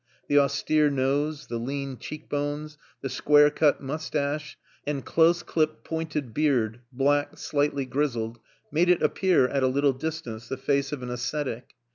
The austere nose, the lean cheek bones, the square cut moustache and close clipped, pointed beard (black, slightly grizzled) made it appear, at a little distance, the face of an ascetic.